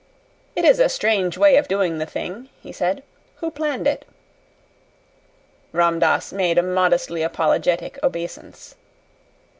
"It is a strange way of doing the thing," he said. "Who planned it?" Ram Dass made a modestly apologetic obeisance.